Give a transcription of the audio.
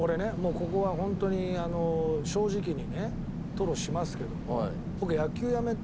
ここはホントに正直にね吐露しますけども。